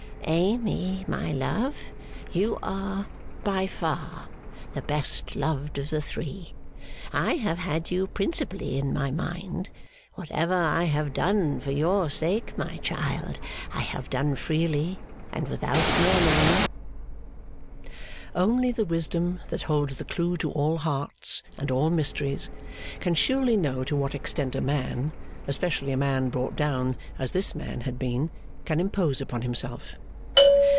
Amy, my love, you are by far the best loved of the three; I have had you principally in my mind whatever I have done for your sake, my dear child, I have done freely and without murmuring.' Only the wisdom that holds the clue to all hearts and all mysteries, can surely know to what extent a man, especially a man brought down as this man had been, can impose upon himself.